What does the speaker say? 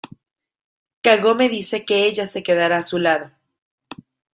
Kagome dice que ella se quedará a su lado.